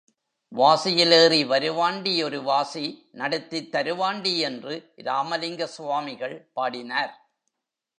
வாசியில் ஏறி வருவாண்டி ஒரு வாசி நடத்தித் தருவாண்டி என்று இராமலிங்க சுவாமிகள் பாடினார்.